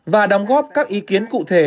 và đóng góp các ý kiến cụ thể